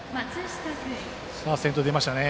先頭出ましたね。